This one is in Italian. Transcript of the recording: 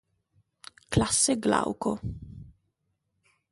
Classe Glauco